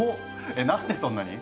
え何でそんなに？